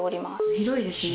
広いですね。